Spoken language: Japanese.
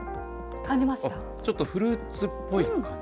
ちょっとフルーツっぽい感じ。